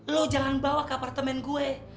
lo jangan bawa ke apartemen gue